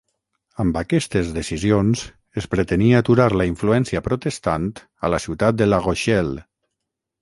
Amb aquestes decisions es pretenia aturar la influència protestant a la ciutat de La Rochelle.